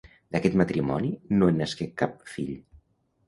D'aquest matrimoni no en nasqué cap fill.